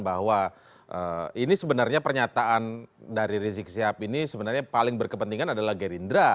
bahwa ini sebenarnya pernyataan dari rizik sihab ini sebenarnya paling berkepentingan adalah gerindra